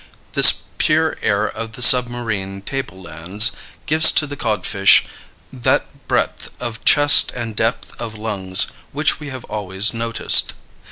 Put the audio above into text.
This pure air of the submarine table lands gives to the codfish that breadth of chest and depth of lungs which we have always noticed.